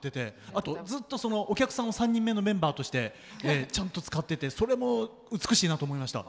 あとずっとお客さんを３人目のメンバーとしてちゃんと使っててそれも美しいなと思いました。